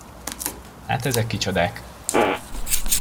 Hát ezek kicsodák?